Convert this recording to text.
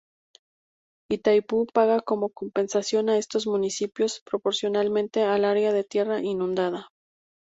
Itaipú paga como compensación a estos municipios, proporcionalmente al área de tierra inundada.